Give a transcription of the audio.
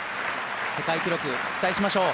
世界記録、期待しましょう。